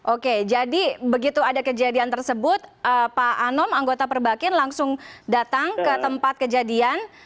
oke jadi begitu ada kejadian tersebut pak anom anggota perbakin langsung datang ke tempat kejadian